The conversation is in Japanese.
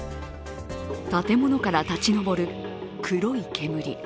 建物から立ち上る黒い煙。